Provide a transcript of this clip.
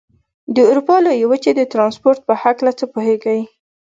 د اروپا لویې وچې د ترانسپورت په هلکه څه پوهېږئ؟